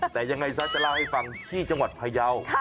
แต่ยังไงซะจะเล่าให้ฟังที่จังหวัดพยาว